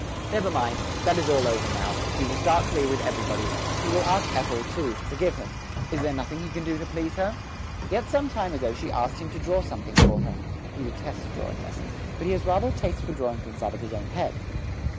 Never mind, that is all over now; he will start clear with everybody. He will ask Ethel, too, to forgive him. Is there nothing he can do to please her? Yes some time ago she had asked him to draw something for her. (He detests drawing lessons, but he has rather a taste for drawing things out of his own head.)